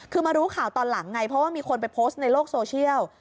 คือมารู้ข่าวตอนหลังไงเพราะว่ามีคนไปโพสต์ในโลกโซเชียล